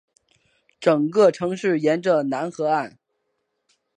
整个城市沿着楠河岸。